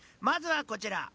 まずはこちら。